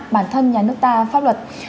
bản thân nhà nước ta pháp luật